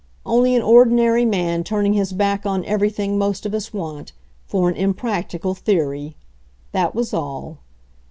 Only an ordinary man turning his back on everything most of us want, for an "impractical" theory. That was all.